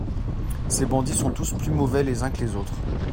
Ces bandits sont tous plus mauvais les uns que les autres.